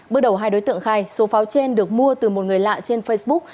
bước đầu hai đối tượng khai số pháo trên được mua từ một người lạ trên facebook